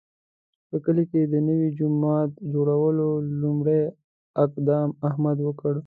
په کلي کې د نوي جومات جوړولو لومړی اقدام احمد وکړ.